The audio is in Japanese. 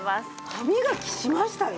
歯磨きしましたよ！